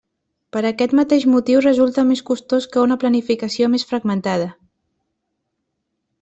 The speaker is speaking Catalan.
Per aquest mateix motiu resulta més costós que una planificació més fragmentada.